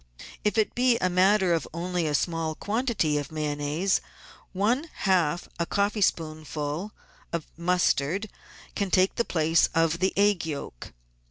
If it be a matter of only a small quantity of Mayonnaise, one half a coffeespoonful of mustard can take the place of the egg yolk.